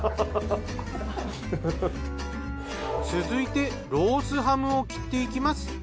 続いてロースハムを切っていきます。